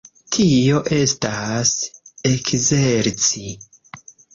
Tio estas ekzerci.